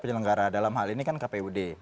penyelenggara dalam hal ini kan kpud